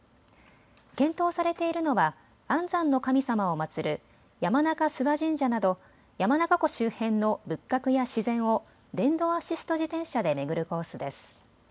検討されているのは安産の神様を祭る山中諏訪神社など山中湖周辺の仏閣や自然を電動アシスト自転車で巡るコースです。